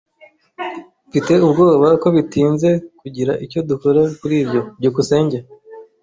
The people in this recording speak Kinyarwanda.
Mfite ubwoba ko bitinze kugira icyo dukora kuri ibyo. byukusenge